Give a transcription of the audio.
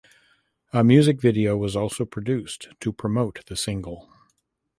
A music video was also produced to promote the single.